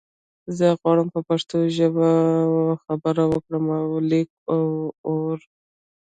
زه غواړم په پښتو ژبه خبری وکړم او ولیکم او وارم